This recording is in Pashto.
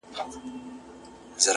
زما د زړه ډېوه روښانه سي.